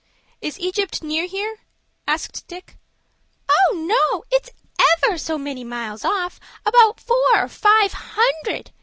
"Is Egypt near here?" asked Dick. "Oh, no, it's ever so many miles off; about four or five hundred.